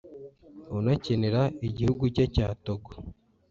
unakinira igihugu cye cya Togo